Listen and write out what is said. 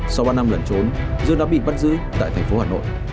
sau ba năm lần trốn dương đã bị bắt giữ tại thành phố hà nội